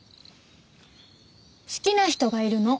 好きな人がいるの。